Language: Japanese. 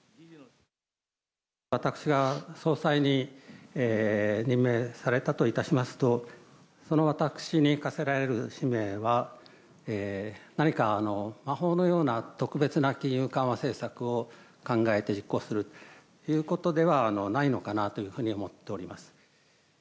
私が総裁に任命されたといたしますと、その私に課せられる使命は、何か魔法のような特別な金融緩和政策を考えて実行するということではないのかなというふうに思っております。